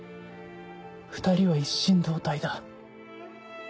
２人は一心同体だ。